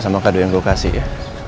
sama kadu yang gue kasih ya